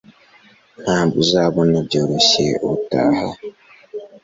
Ntabwo uzabona byoroshye ubutaha